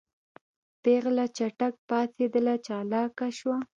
پېغله چټک پاڅېدله چالانه شوه.